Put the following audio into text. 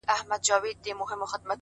ښايستو کي خيالوري پيدا کيږي؛